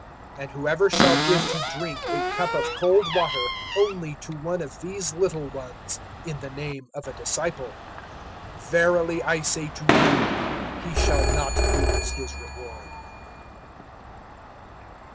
(42)And whoever shall give to drink a cup of cold water only to one of these little ones, in the name of a disciple, verily I say to you, he shall not lose his reward.